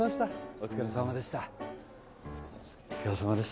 お疲れさまでした